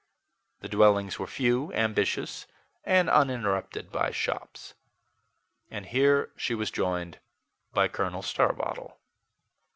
The dwellings were few, ambitious, and uninterrupted by shops. And here she was joined by Colonel Starbottle.